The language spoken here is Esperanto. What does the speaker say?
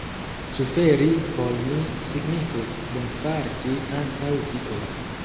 Suferi por mi signifus bonfarti antaŭ Dio.